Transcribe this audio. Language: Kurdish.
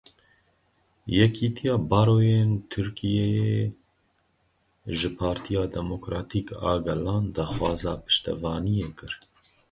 Yekitiya Baroyên Tirkiyeyê ji Partiya Demokratîk a Gelan daxwaza piştevaniyê kir.